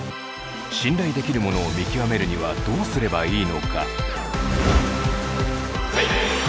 信頼できるものを見極めるにはどうすればいいのか。